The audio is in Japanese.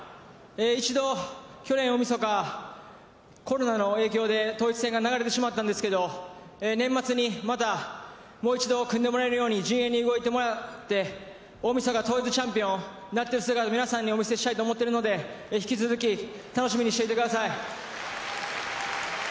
一度、去年大みそかコロナの影響で統一戦が流れてしまったんですけど年末にまたもう一度組んでもらえるように陣営に動いてもらって大みそか統一チャンピオンになる姿を皆さんにお見せしたいと思っていますので引き続き楽しみにしてください。